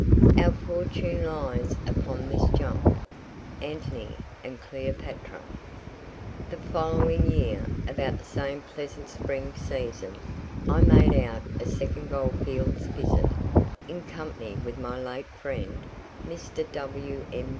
"Our fortune lies upon this jump." Antony and Cleopatra. The following year, about the same pleasant spring season, I made out a second goldfields visit, in company with my late friend, Mr. W.M.